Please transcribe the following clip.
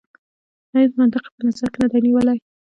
هیڅ منطق یې په نظر کې نه دی نیولی.